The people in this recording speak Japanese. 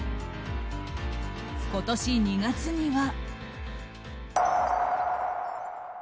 今年２月には。